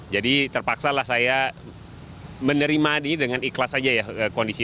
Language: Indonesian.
jadi terpaksalah saya menerima ini dengan ikhlas aja ya kondisi